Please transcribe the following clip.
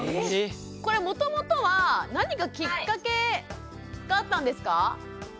これもともとは何かきっかけがあったんですか？